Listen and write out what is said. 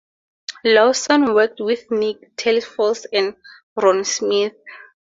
Lawson worked with Nick Talesfore and Ron Smith.